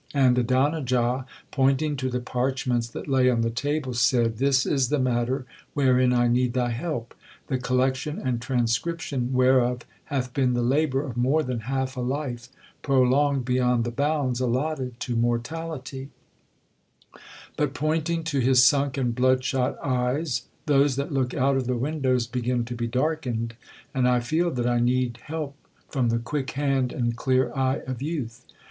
And Adonijah, pointing to the parchments that lay on the table, said, 'This is the matter wherein I need thy help; the collection and transcription whereof hath been the labour of more than half a life, prolonged beyond the bounds allotted to mortality; but,' pointing to his sunk and blood shot eyes, 'those that look out of the windows begin to be darkened, and I feel that I need help from the quick hand and clear eye of youth.